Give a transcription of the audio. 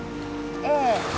ええ。